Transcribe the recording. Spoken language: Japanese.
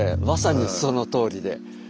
まさにそのとおりで。